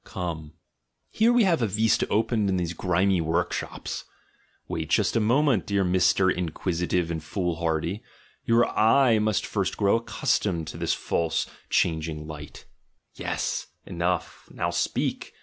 Come! Here we have a vista opened into these grimy work shops. Wait just a moment, dear Mr. Inquisitive and Foolhardy; your eye must first grow accustomed to this false changing light — Yes! Enough! Xow speak!